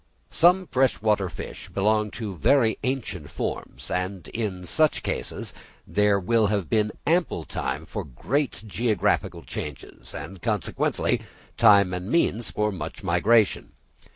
Some fresh water fish belong to very ancient forms, and in such cases there will have been ample time for great geographical changes, and consequently time and means for much migration.